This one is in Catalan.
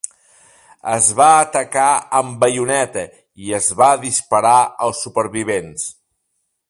Es va atacar amb baioneta i es va disparar als supervivents.